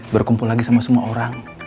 berkumpul lagi sama semua orang